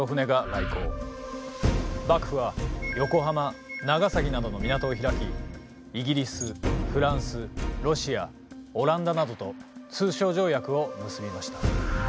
幕府は横浜長崎などの港を開きイギリスフランスロシアオランダなどと通商条約を結びました。